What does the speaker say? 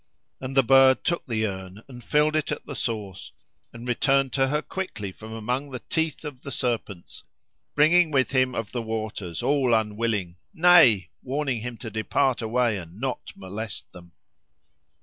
And the bird took the urn, and filled it at the source, and returned to her quickly from among the teeth of the serpents, bringing with him of the waters, all unwilling—nay! warning him to depart away and not molest them.